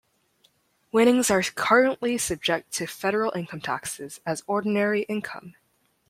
Winnings are currently subject to federal income taxes as ordinary income.